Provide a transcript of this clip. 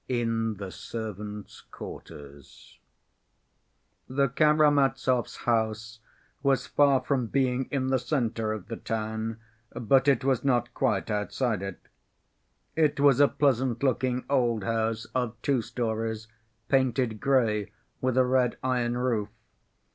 In The Servants' Quarters The Karamazovs' house was far from being in the center of the town, but it was not quite outside it. It was a pleasant‐looking old house of two stories, painted gray, with a red iron roof.